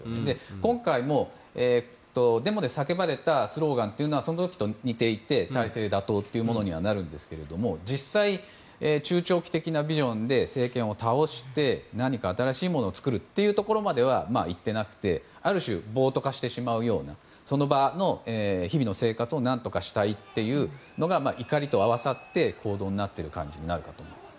今回もデモで叫ばれたスローガンはその時と似ていて体制打倒というものにはなるんですが実際、中長期的なビジョンで政権を倒して何か新しいものを作るところまではいっていなくてある種、暴徒化してしまうようなその場の、日々の生活を何とかしたいというのが怒りと合わさって行動になっている感じになるかと思います。